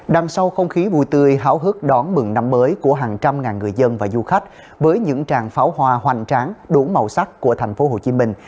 đằng sau không khí vui tươi háo hức đón mừng năm mới của hàng trăm ngàn người dân và du khách với những tràng pháo hoa hoành tráng đủ màu sắc của thành phố hồ chí minh